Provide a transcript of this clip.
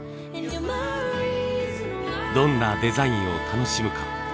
どんなデザインを楽しむか。